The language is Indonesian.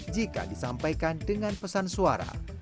jika disampaikan dengan pesan suara